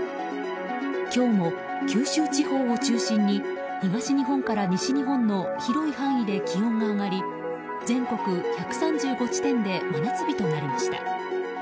今日も九州地方を中心に東日本から西日本の広い範囲で気温が上がり、全国１３５地点で真夏日となりました。